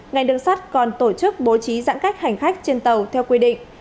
ngành đường sắt còn tổ chức bố trí giãn cách hành khách trên tàu theo quy định